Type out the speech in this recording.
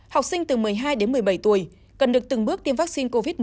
học sinh từ một mươi hai đến một mươi bảy tuổi cần được từng bước tiêm vaccine covid một mươi chín